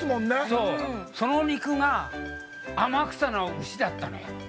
その肉が天草の牛だったのよ。